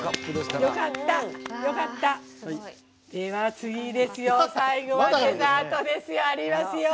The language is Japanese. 次ですよ、最後はデザートですよ。ありますよ！